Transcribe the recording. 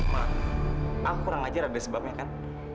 mah aku kurang ajar ada sebabnya kan